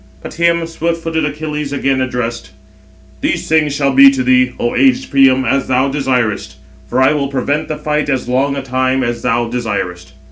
But him swift footed Achilles again addressed: "These things shall be to thee, O aged Priam, as thou desirest; for I will prevent the fight as long a time as thou desirest."